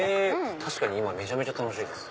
確かにめちゃめちゃ楽しいです。